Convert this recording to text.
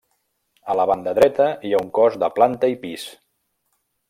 A la banda dreta, hi ha un cos de planta i pis.